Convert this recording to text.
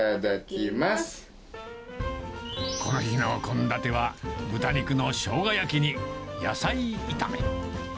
この日の献立は、豚肉のしょうが焼きに、野菜炒め。